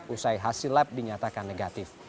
usai hasil lab dinyatakan negatif